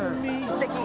すてき。